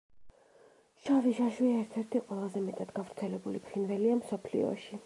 შავი შაშვი ერთ-ერთი ყველაზე მეტად გავრცელებული ფრინველია მსოფლიოში.